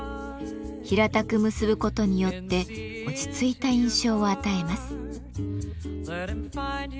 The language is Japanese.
平たく結ぶことによって落ち着いた印象を与えます。